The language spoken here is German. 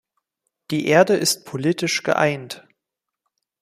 Die Erde ist politisch geeint.